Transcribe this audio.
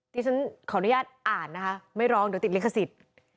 ที่ฉันขออนุญาตอ่านนะคะไม่ร้องเดี๋ยวติดลิขสิทธิ์